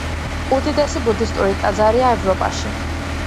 უდიდესი ბუდისტური ტაძარია ევროპაში.